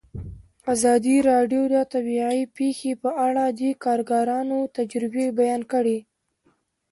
ازادي راډیو د طبیعي پېښې په اړه د کارګرانو تجربې بیان کړي.